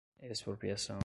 expropriação